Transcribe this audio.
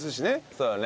そうだね。